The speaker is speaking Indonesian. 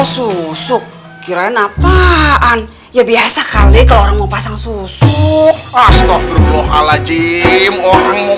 susuk kirain apaan ya biasa kali kalau mau pasang susu astaghfirullahaladzim orang mau